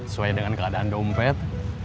sesuai dengan keadaan dompet